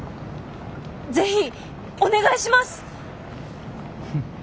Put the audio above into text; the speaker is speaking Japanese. ぜひお願いします！